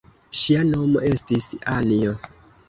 Ŝia nomo estis Anjo.